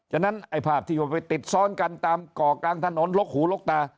จนนั้นไอ้ภาพที่ติดซ้อนกันตามก่อกลางถนนลกหูลกตา